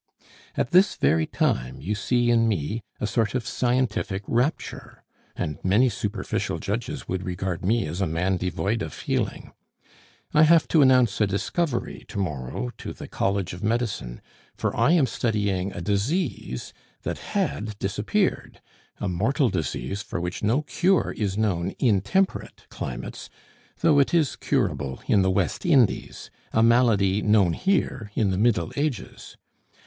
"At this very time you see in me a sort of scientific rapture, and many superficial judges would regard me as a man devoid of feeling. I have to announce a discovery to morrow to the College of Medicine, for I am studying a disease that had disappeared a mortal disease for which no cure is known in temperate climates, though it is curable in the West Indies a malady known here in the Middle Ages.